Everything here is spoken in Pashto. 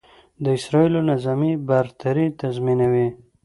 د اسرائیلو نظامي برتري تضیمنوي.